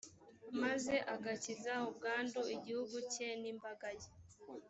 maze agakiza ubwandu igihugu cye n’imbaga ye.